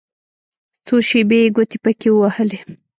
څو شېبې يې ګوتې پکښې ووهلې.